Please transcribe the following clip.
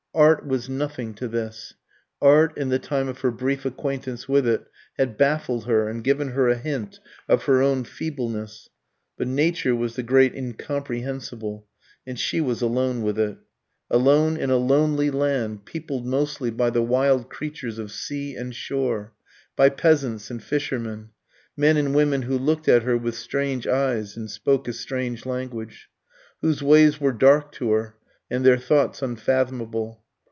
Art was nothing to this. Art, in the time of her brief acquaintance with it, had baffled her, and given her a hint of her own feebleness; but Nature was the great Incomprehensible and she was alone with it. Alone, in a lonely land, peopled mostly by the wild creatures of sea and shore, by peasants and fishermen, men and women who looked at her with strange eyes and spoke a strange language; whose ways were dark to her, and their thoughts unfathomable.